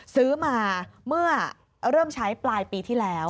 ซื้อมาเมื่อเริ่มใช้ปลายปีที่แล้ว